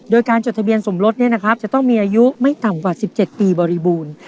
โดยการจดทะเบียนสมรสจะต้องมีอายุไม่ต่ำกว่า๑๗ปีบริบูรณ์